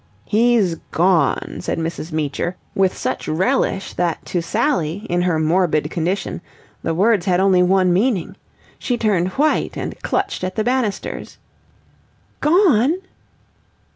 "He's gone," said Mrs. Meecher with such relish that to Sally, in her morbid condition, the words had only one meaning. She turned white and clutched at the banisters. "Gone!"